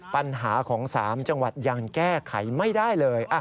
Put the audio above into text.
ปัญหาของ๓จังหวัดยังแก้ไขไม่ได้เลย